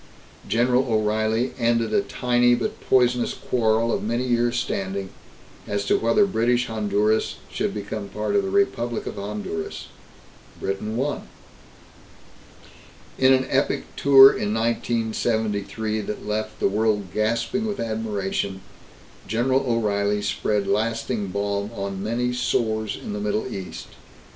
General O'Reilly ended a tiny but poisonous quarrel of many years' standing as to whether British Honduras should become a part of the Republic of Honduras. Britain won. In an epic tour in 1973 that left the world gasping with admiration, General O'Reilly spread lasting balm on many sores in the Middle East.